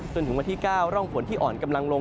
จนถึงวันที่๙ร่องฝนที่อ่อนกำลังลง